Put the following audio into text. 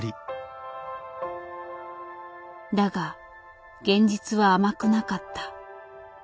だが現実は甘くなかった。